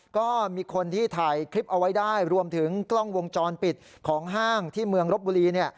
ก็มีคนที่ถ่ายคลิปเอาไว้ได้รวมถึงกล้องวงจรปิดของห้างที่เมืองรบบุรี